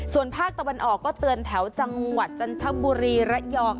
ส่วนภาคตะวันออกก็เตือนแถวจังหวัดจันทบุรีระยอง